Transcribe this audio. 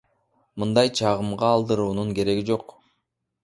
Мындай чагымга алдыруунун кереги жок.